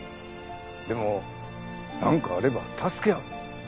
でもなんかあれば助け合う。